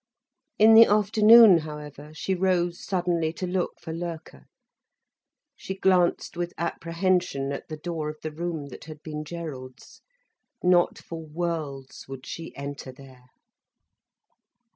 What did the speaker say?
In the afternoon, however, she rose suddenly to look for Loerke. She glanced with apprehension at the door of the room that had been Gerald's. Not for worlds would she enter there.